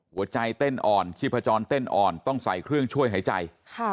หัวใจเต้นอ่อนชีพจรเต้นอ่อนต้องใส่เครื่องช่วยหายใจ